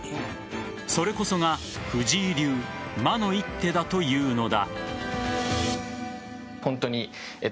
それこそが藤井流、魔の一手だというのだ。